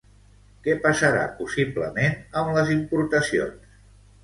Què passarà, possiblement, amb les importacions?